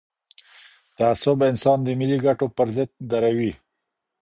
تعصب انسان د ملي ګټو پر ضد دروي.